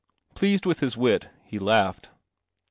Pleased with his wit, he laughed.